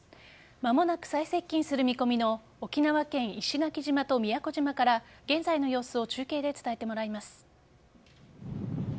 間もなく最接近する見込みの沖縄県石垣島と宮古島から現代の様子を中継で伝えてもらいます。